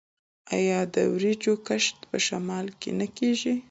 آیا د وریجو کښت په شمال کې نه کیږي؟